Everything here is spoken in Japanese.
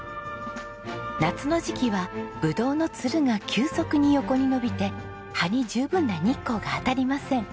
夏の時期はブドウのつるが急速に横に伸びて葉に十分な日光が当たりません。